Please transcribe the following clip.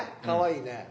かわいいね。